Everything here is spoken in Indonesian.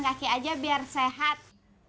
kaki aja biar sehat